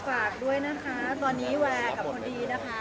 ฝากด้วยนะคะตอนนี้แวร์กับคนดีนะคะ